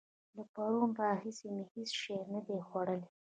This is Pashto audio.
له پرونه راهسې مې هېڅ شی نه دي خوړلي.